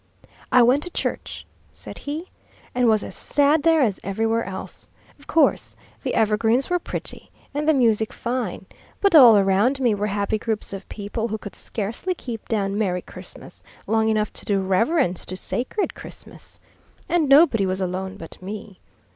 "I went to church," said he, "and was as sad there as everywhere else. Of course, the evergreens were pretty, and the music fine; but all around me were happy groups of people, who could scarcely keep down merry Christmas long enough to do reverence to sacred Christmas. And nobody was alone but me.